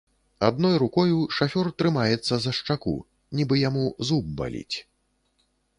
Адной рукою шафёр трымаецца за шчаку, нібы яму зуб баліць.